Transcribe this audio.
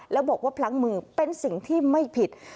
แล้วบอกว่าพลั้งมือเป็นสิ่งที่ไม่ผิด